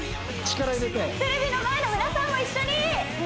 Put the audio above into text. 力入れてテレビの前の皆さんも一緒に！